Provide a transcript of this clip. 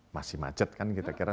masih macet kan kira kira